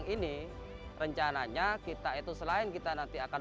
terima kasih teman teman